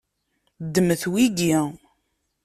Ddmet wigi.